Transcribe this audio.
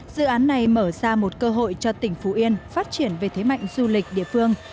dự án này mở ra một cơ hội cho tỉnh phú yên phát triển về thế mạnh du lịch địa phương